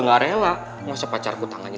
nggak rela masa pacarku tangannya